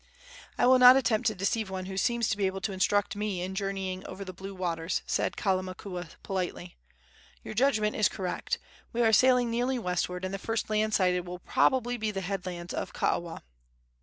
"I will not attempt to deceive one who seems to be able to instruct me in journeying over the blue waters," said Kalamakua, politely. "Your judgment is correct. We are sailing nearly westward, and the first land sighted will probably be the headlands of Kaawa."